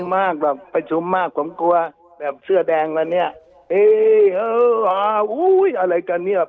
ไม่ต้องไปชมมากผมกลัวเสื้อแดงล่ะเนี่ย